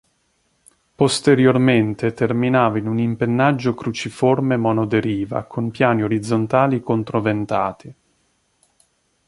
Posteriormente terminava in un impennaggio cruciforme monoderiva con piani orizzontali controventati.